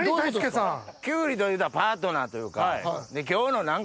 キュウリというたらパートナーというか。